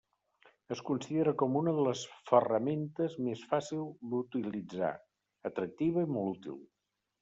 Es considera com una de les ferramentes més fàcil d’utilitzar, atractiva i molt útil.